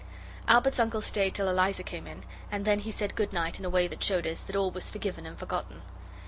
Albert's uncle stayed till Eliza came in, and then he said good night in a way that showed us that all was forgiven and forgotten.